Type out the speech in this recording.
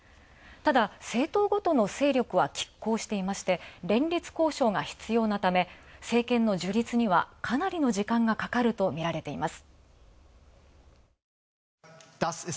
ただ政党ごとの拮抗していまして、連立交渉が必要なため、政権の樹立にはかなりの時間がかかるとみられています。